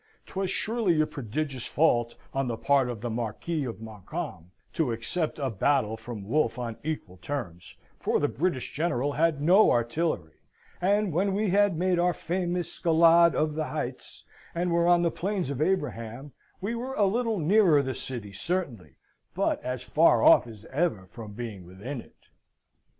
'Twas surely a prodigious fault on the part of the Marquis of Montcalm, to accept a battle from Wolfe on equal terms, for the British General had no artillery, and when we had made our famous scalade of the heights, and were on the Plains of Abraham, we were a little nearer the city, certainly, but as far off as ever from being within it.